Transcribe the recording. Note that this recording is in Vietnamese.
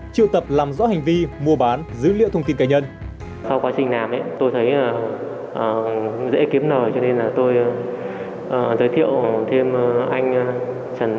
triệu tập làm rõ hành vi mua bán dữ liệu thông tin cá nhân